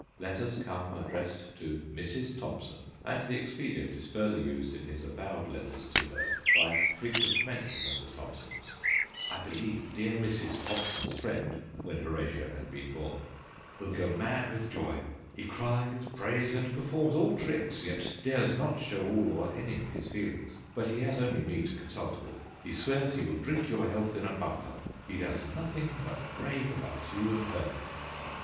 Letters come addressed to 'Mrs. Thomson/ and the expedient is further used in his avowed letters to her by frequent mention of the Thomsons. *I believe dear Mrs. Thomson's friend ' when Horatia had been born ' will go mad with joy. He cries, prays, and performs all tricks, yet dares not show all or any of his feelings, but he has only me to consult with. He swears he will drink your health in a bumper ... he does nothing but rave about you and her.'